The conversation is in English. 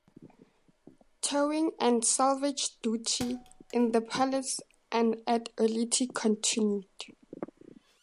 Towing and salvage duty in the Palaus and at Ulithi continued.